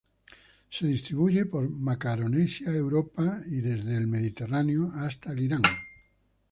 Se distribuye por Macaronesia, Europa y desde el Mediterráneo hasta Irán.